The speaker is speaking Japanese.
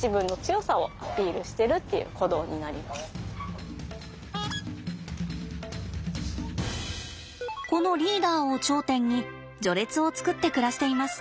走っていってこのリーダーを頂点に序列を作って暮らしています。